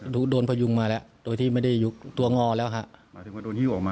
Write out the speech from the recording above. ดูโดนพยงมาและโดยที่ไม่ได้ยุกตัวงอแล้วนะคะ